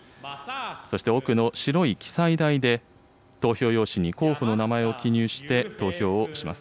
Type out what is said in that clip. そして奥の白い記載台で、投票用紙に候補の名前を記入して投票をします。